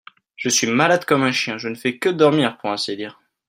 je suis malade comme un chien, je ne fais que dormir pour ainsi dire.